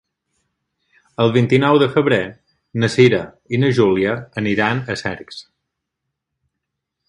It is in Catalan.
El vint-i-nou de febrer na Cira i na Júlia aniran a Cercs.